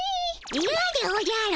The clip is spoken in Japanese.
イヤでおじゃる。